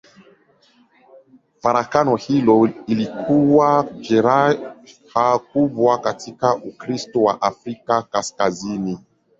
Farakano hilo lilikuwa jeraha kubwa katika Ukristo wa Afrika Kaskazini.